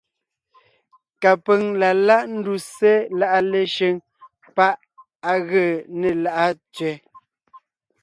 Kapʉ̀ŋ la láʼ ńduse láʼa Leshʉŋ pá ʼ á gee né Láʼa tsẅɛ.